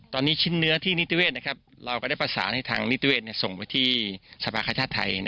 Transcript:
ตอนนี้ชิ้นเนื้อที่นิตเวทน์นะครับเราได้ประสานทั้งทางนิตเวทส่งไปที่สภาคชาติไทย